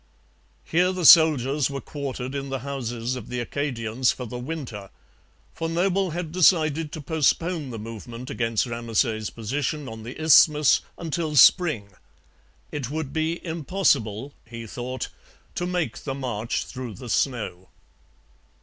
Here the soldiers were quartered in the houses of the Acadians for the winter, for Noble had decided to postpone the movement against Ramesay's position on the isthmus until spring. It would be impossible, he thought, to make the march through the snow.